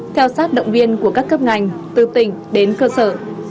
theo sát động viên của các cấp ngành từ tỉnh đến cơ sở